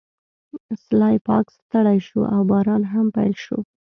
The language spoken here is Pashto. سلای فاکس ستړی شو او باران هم پیل شو